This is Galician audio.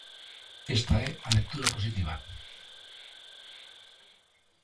Esta é a lectura positiva.